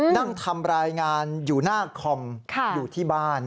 นั่งทำรายงานอยู่หน้าคอมอยู่ที่บ้าน